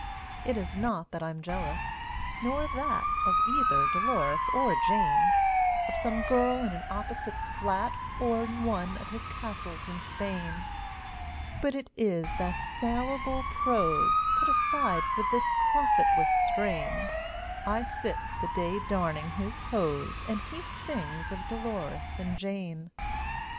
It is not that I'm jealous, nor that, Of either Dolores or Jane, Of some girl in an opposite flat, Or in one of his castles in Spain, But it is that salable prose Put aside for this profitless strain, I sit the day darning his hose And he sings of Dolores and Jane.